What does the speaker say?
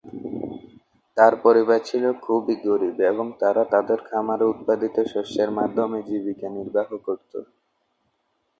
তার পরিবার ছিল খুবই গরিব এবং তারা তাদের খামারে উৎপাদিত শস্যের মাধ্যমে জীবিকা নির্বাহ করত।